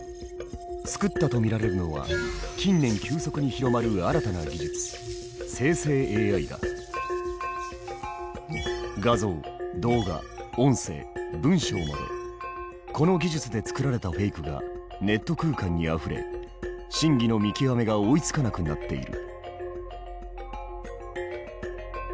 作ったと見られるのは近年急速に広まる新たな技術画像動画音声文章までこの技術で作られたフェイクがネット空間にあふれ真偽の見極めが追いつかなくなっている。